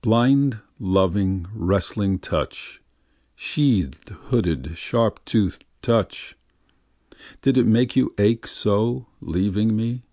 29 Blind loving wrestling touch, sheathâd hooded sharp toothâd touch! Did it make you ache so, leaving me?